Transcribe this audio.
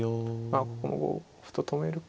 ここも５五歩と止めるか。